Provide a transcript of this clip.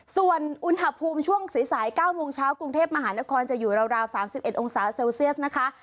ส่วนอุณหภูมิช่วงสาย๙โมงเช้ากรุงเทพมหานครจะอยู่ราว๓๑องศาเซลเซียสนะคะ